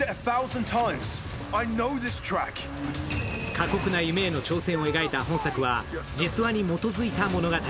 過酷な夢への挑戦を描いた本作は実話に基づいた物語。